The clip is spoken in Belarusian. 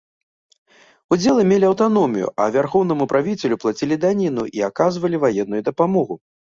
Удзелы мелі аўтаномію, а вярхоўнаму правіцелю плацілі даніну і аказвалі ваенную дапамогу.